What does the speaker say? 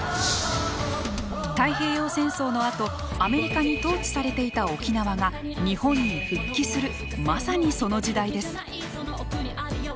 太平洋戦争のあとアメリカに統治されていた沖縄が日本に復帰するまさにその時代です。